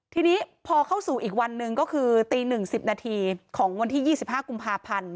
ทีนี้พอเข้าสู่อีกวันหนึ่งก็คือตี๑๐นาทีของวันที่๒๕กุมภาพันธ์